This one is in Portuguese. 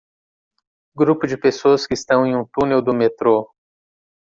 Grupo de pessoas que estão em um túnel do metrô.